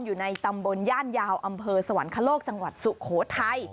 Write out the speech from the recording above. อยู่ในตำบลย่านยาวอำเภอสวรรคโลกจังหวัดสุโขทัย